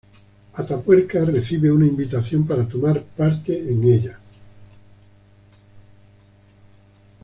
Atapuerca recibe una invitación para tomar parte en ella.